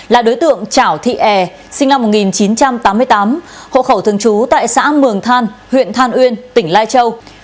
là đối tượng trảo thị e sinh năm một nghìn chín trăm tám mươi tám hộ khẩu thường trú tại xã mường than huyện than uyên tỉnh lai châu